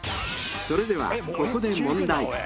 ［それではここで］